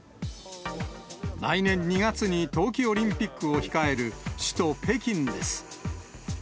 来年２月に冬季オリンピックを控える、首都北京です。